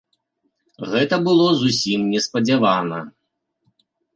Гэта было зусім неспадзявана.